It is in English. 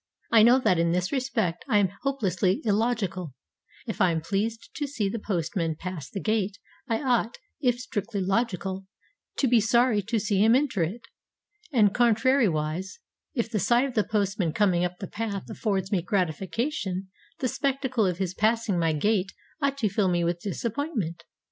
I know that in this respect I am hopelessly illogical. If I am pleased to see the postmen pass the gate, I ought, if strictly logical, to be sorry to see him enter it. And, contrariwise, if the sight of the postman coming up the path affords me gratification, the spectacle of his passing my gate ought to fill me with disappointment.